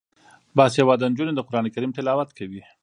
باسواده نجونې د قران کریم تلاوت کوي.